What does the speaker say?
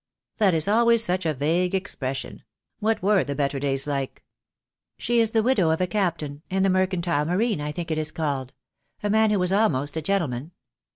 "That is always such a vague expression. What were the better days like?" "She is the widow of a captain — in the mercantile marine, I think it is called — a man who was almost a gentleman.